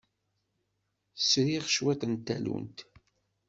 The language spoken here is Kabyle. Sriɣ cwiṭ n tallunt.